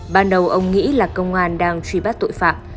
ban đầu ông nghĩ là công an đang truy bắt tội phạm